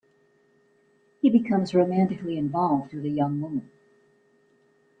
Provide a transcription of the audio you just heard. He becomes romantically involved with a young woman.